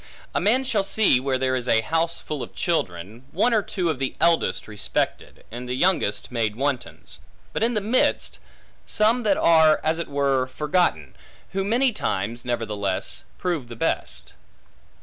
A man shall see, where there is a house full of children, one or two of the eldest respected, and the youngest made wantons; but in the midst, some that are as it were forgotten, who many times, nevertheless, prove the best.